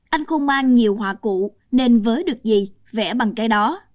anh không mang nhiều họa cũ nên vớ được gì vẽ bằng cái đó